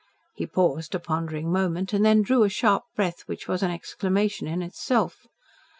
He paused a pondering moment, and then drew a sharp breath which was an exclamation in itself.